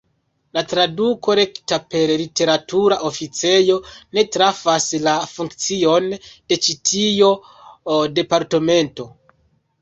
La traduko rekta per "literatura oficejo" ne trafas la funkcion de ĉi tio departemento.